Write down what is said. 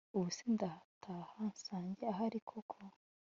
Ubuse ndataha nsange ahari koko